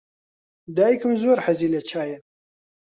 دایکم زۆر حەزی لە چایە.